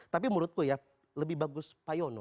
tapi menurutku ya lebih bagus pak yono